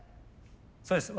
そうです。